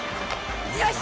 よし！